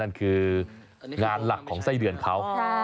นั่นคืองานหลักของไส้เดือนเขา